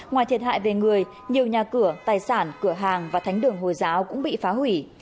ngoài thiệt hại về người nhiều nhà cửa tài sản cửa hàng và thánh đường hồi giáo cũng bị phá hủy